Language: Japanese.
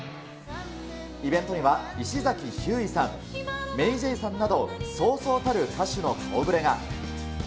イベントには石崎ひゅーいさん、ＭａｙＪ．さんなど、そうそうたる歌手の顔ぶれが。